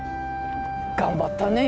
頑張ったね。